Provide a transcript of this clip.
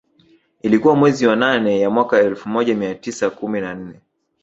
Ilikuwa mwezi wa nane ya mwaka wa elfu moja mia tisa kumi na nne